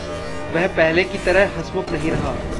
वह पहले की तरह हँसमुख नहीं रहा।